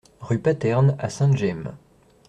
Rue Paterne à Sainte-Gemme